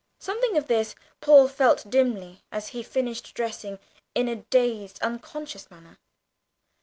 Something of this Paul felt dimly, as he finished dressing, in a dazed, unconscious manner.